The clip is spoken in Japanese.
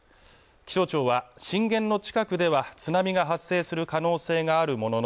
気象庁は震源の近くでは津波が発生する可能性があるものの